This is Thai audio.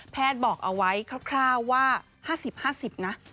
บอกเอาไว้คร่าวว่า๕๐๕๐นะ